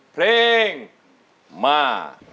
เพลงมา